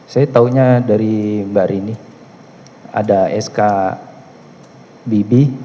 saya tahunya dari mbak rini ada sk bibi jadi staff ahli tersebut